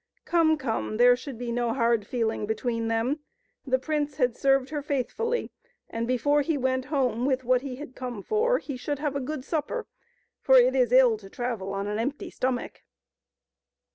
Come, come, there should be no hard feeling between them. The prince had served her faithfully, and before he went home with what he had come for he should have a good supper, for it is ill to travel on an empty stomach.